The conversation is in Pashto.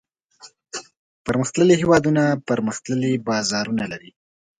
پرمختللي هېوادونه پرمختللي بازارونه لري.